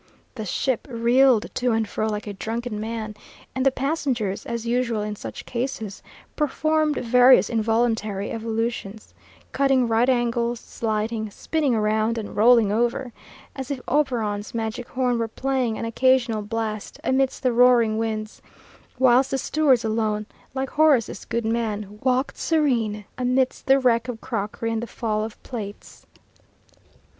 The ship reeled to and fro like a drunken man, and the passengers, as usual in such cases, performed various involuntary evolutions, cutting right angles, sliding, spinning round, and rolling over, as if Oberon's magic horn were playing an occasional blast amidst the roaring winds; whilst the stewards alone, like Horace's good man, walked serene amidst the wreck of crockery and the fall of plates.